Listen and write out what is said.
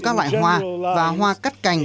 các loại hoa và hoa cắt cành